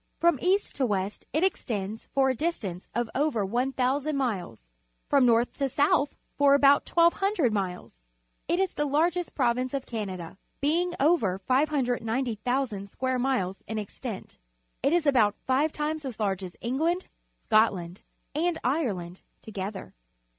From east to west it extends for a distance of over 1,000 miles, from north to south for about 1,200 iniles. It is the largest province of Canada, being over 590,000 square miles in extent. It is about five times as large as England, Scotland, and Ireland together.